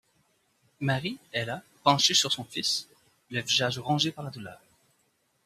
Marie est là penché sur son fils, le visage rongé par la douleur.